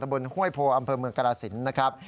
บนห้วยโพอำเภอเมืองกราศิลป์นะครับ